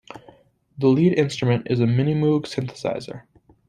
The lead instrument is a Minimoog synthesizer.